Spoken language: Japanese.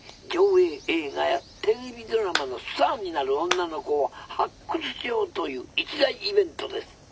条映映画やテレビドラマのスターになる女の子を発掘しようという一大イベントです。